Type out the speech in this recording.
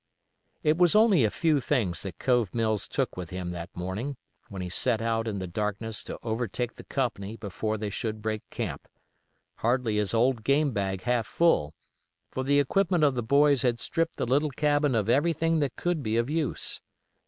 It was only a few things that Cove Mills took with him that morning, when he set out in the darkness to overtake the company before they should break camp—hardly his old game bag half full; for the equipment of the boys had stripped the little cabin of everything that could be of use.